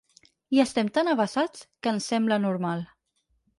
Hi estem tan avesats, que ens sembla normal.